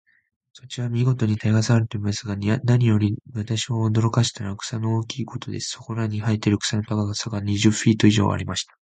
土地は見事に耕されていますが、何より私を驚かしたのは、草の大きいことです。そこらに生えている草の高さが、二十フィート以上ありました。